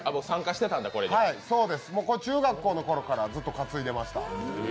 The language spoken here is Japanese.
中学校のころからずっと担いでました。